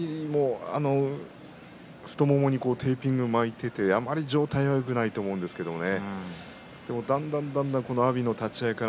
阿炎も太ももにテーピングを巻いていてあまり状態よくないと思うんですけどね。